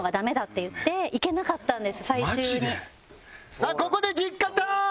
さあここで実家ターイム！